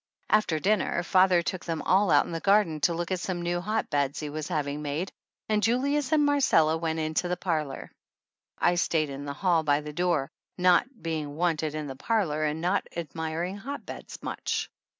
After dinner father took them all out in the garden to look at some new hotbeds he was hav ing made and Julius and Marcella went into the parlor. I stayed in the hall by the door, not being wanted in the parlor and not admiring hotbeds much.